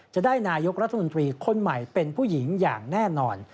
จะได้นายกรัฐมนตรีคนใหม่เป็นผู้หญิงอย่างแน่นอน